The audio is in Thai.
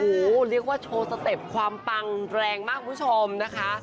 โอ้โหเรียกว่าโชว์สเต็ปความปังแรงมากคุณผู้ชมนะคะ